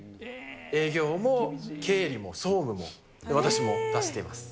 営業も経理も総務も、私も出しています。